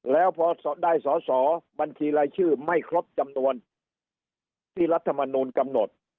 แล้วพอได้สอสอบัญชีรายชื่อไม่ครบจำนวนที่รัฐมนูลกำหนด